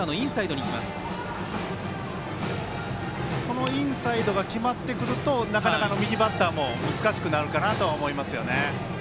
このインサイドが決まってくるとなかなか右バッターも難しくなるかなと思いますよね。